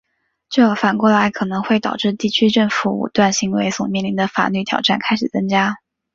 这反过来可能会导致地方政府武断行为所面临的法律挑战开始增加。